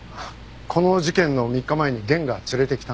この事件の３日前に源が連れてきたんです。